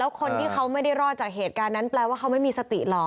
คนที่เขาไม่ได้รอดจากเหตุการณ์นั้นแปลว่าเขาไม่มีสติหรอ